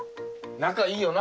仲いいよな？